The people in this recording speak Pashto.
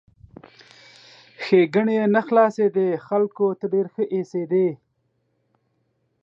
ښېګڼې یې نه خلاصېدې ، خلکو ته ډېر ښه ایسېدی!